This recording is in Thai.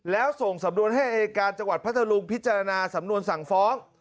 แล้วส่งสำนวนให้อายการจังหวัดพัทธรุงพิจารณาสำนวนสั่งฟ้อง